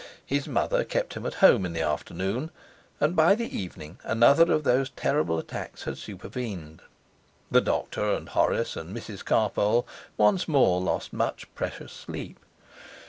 His mother kept him at home in the afternoon, and by the evening another of those terrible attacks had supervened. The doctor and Horace and Mrs Carpole once more lost much precious sleep.